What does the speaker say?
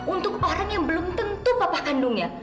untuk orang yang belum tentu bapak kandungnya